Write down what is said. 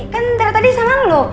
kan tadi salah lo